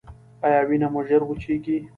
ایا وینه مو ژر وچیږي؟